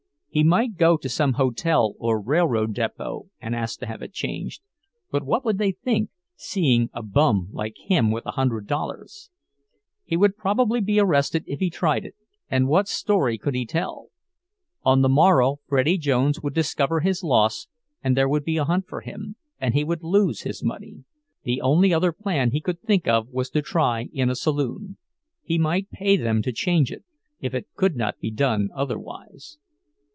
He might go to some hotel or railroad depot and ask to have it changed; but what would they think, seeing a "bum" like him with a hundred dollars? He would probably be arrested if he tried it; and what story could he tell? On the morrow Freddie Jones would discover his loss, and there would be a hunt for him, and he would lose his money. The only other plan he could think of was to try in a saloon. He might pay them to change it, if it could not be done otherwise.